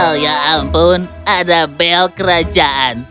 oh ya ampun ada bel kerajaan